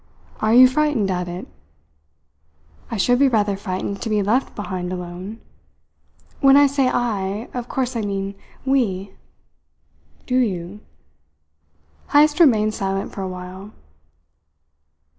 "Are you frightened at it?" "I should be rather frightened to be left behind alone. When I say, I, of course I mean we." "Do you?" ... Heyst remained silent for a while.